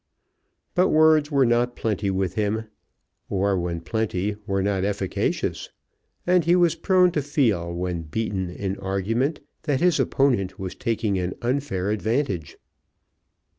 But words were not plenty with him, or, when plenty, not efficacious, and he was prone to feel, when beaten in argument, that his opponent was taking an unfair advantage.